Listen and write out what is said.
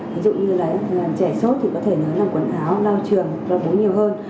ví dụ như là trẻ sốt thì có thể nới làm quần áo lau trường lau bố nhiều hơn